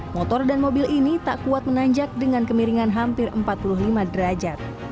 motor dan mobil ini tak kuat menanjak dengan kemiringan hampir empat puluh lima derajat